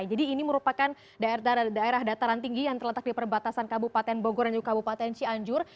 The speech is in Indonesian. jadi ini merupakan daerah daerah dataran tinggi yang terletak di perbatasan kabupaten bogor dan kabupaten cianjur